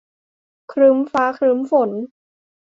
ครึ้มฟ้าครึ้มฝน